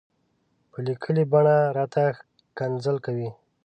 په ليکلې بڼه راته ښکنځل کوي.